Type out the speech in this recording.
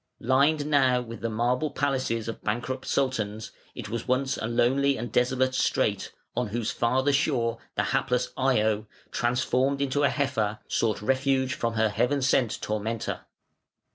Lined now with the marble palaces of bankrupt Sultans, it was once a lonely and desolate strait, on whose farther shore the hapless Io, transformed into a heifer, sought a refuge from her heaven sent tormentor.